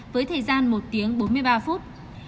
với thời gian một tiếng bốn mươi ba phút